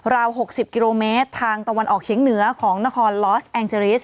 ราว๖๐กิโลเมตรทางตะวันออกเฉียงเหนือของนครลอสแองเจริส